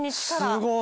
すごい。